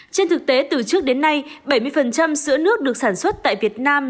trên thực tế từ trước đến nay bảy mươi sữa nước được sản xuất tại việt nam